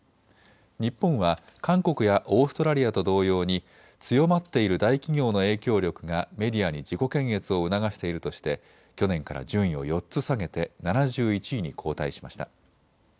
日本は韓国やオーストラリアと同様に強まっている大企業の影響力がメディアに自己検閲を促しているとして去年から順位を４つ下げて７１位に後退しました。